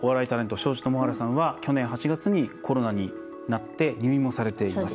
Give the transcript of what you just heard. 庄司智春さんは去年８月にコロナのなって入院をされています。